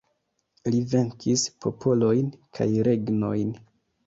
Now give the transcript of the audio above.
Li venkis popolojn kaj regnojn.